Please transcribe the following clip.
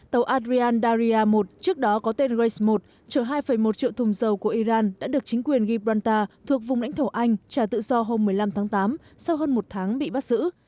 tàu adrian daria một trước đó có tên race một trở hai một triệu thùng dâu của iran đã được chính quyền gibraltar thuộc vùng lãnh thổ anh trả tự do hôm một mươi năm tháng tám sau hơn một tháng bị bắt giữ